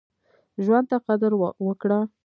ژوند ته قدر وکړه.